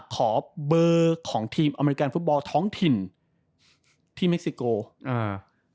ขอเบอร์ของทีมอเมริกันฟุตบอลท้องถิ่นที่เม็กซิโกอ่า